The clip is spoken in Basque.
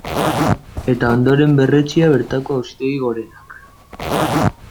Eta ondoren berretsia bertako Auzitegi Gorenak.